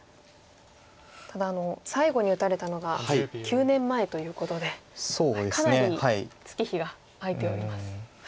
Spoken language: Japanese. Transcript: ただ最後に打たれたのが９年前ということでかなり月日が空いております。